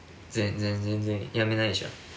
全然辞めないじゃん。